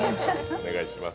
お願いします。